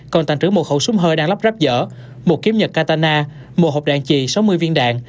còn tàn trữ một khẩu súng hơi đang lắp ráp dở một kiếm nhật catana một hộp đạn trì sáu mươi viên đạn